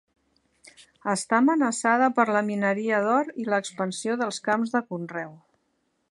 Està amenaçada per la mineria d'or i l'expansió dels camps de conreu.